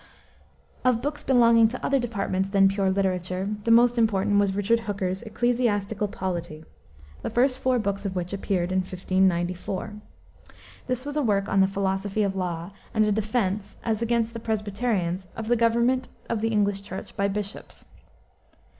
Of books belonging to other departments than pure literature, the most important was Richard Hooker's Ecclesiastical Polity, the first four books of which appeared in 1594. This was a work on the philosophy of law and a defense, as against the Presbyterians, of the government of the English Church by bishops.